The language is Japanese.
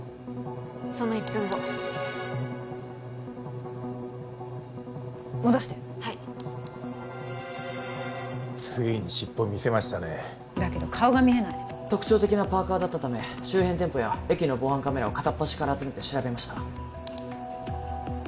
その１分後戻してはいついに尻尾見せましたねだけど顔が見えない特徴的なパーカーだったため周辺店舗や駅の防犯カメラを片っ端から集めて調べました